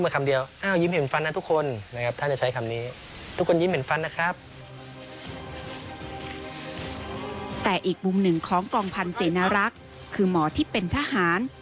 กล้องพันธุ์เสนารักษ์คือหมอที่เป็นทหาร